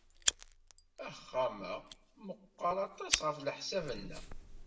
Axxam-a meɣɣer aṭas ɣef leḥsab-nneɣ.